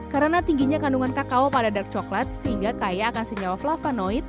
karena tingginya kandungan kakao pada dark coklat sehingga kaya akan senyawa flavonoid